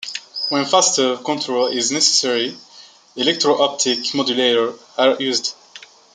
When faster control is necessary electro-optic modulators are used.